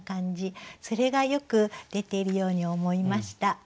それがよく出ているように思いました。